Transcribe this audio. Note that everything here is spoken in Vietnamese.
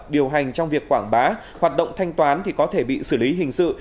điều hành trong việc quảng bá hoạt động thanh toán thì có thể bị xử lý hình sự